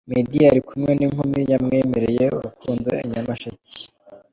Meddy ari kumwe n’inkumi yamwemereye urukundo i Nyamasheke.